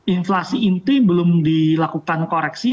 inflasi inti belum dilakukan koreksi